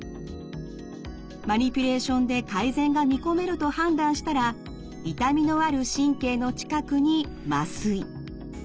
マニピュレーションで改善が見込めると判断したら痛みのある神経の近くに麻酔。